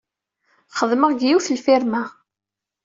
Xedmeɣ deg yiwet n lfirma.